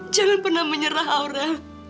jangan pernah menyerah aura